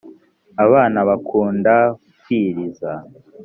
abana bakunda kwiriza.